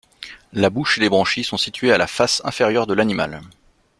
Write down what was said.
La bouche et les branchies sont situées à la face inférieure de l'animal.